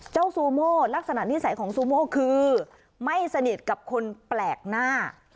ซูโม่ลักษณะนิสัยของซูโม่คือไม่สนิทกับคนแปลกหน้า